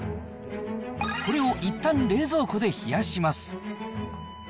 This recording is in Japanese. これをいったん冷蔵庫で冷やします。